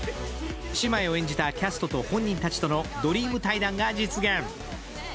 姉妹を演じたキャストと本人たちとのドリーム対談が実現。